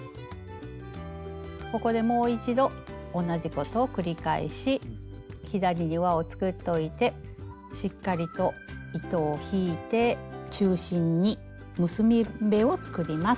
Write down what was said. ここでもう一度同じことを繰り返し左に輪を作っといてしっかりと糸を引いて中心に結び目を作ります。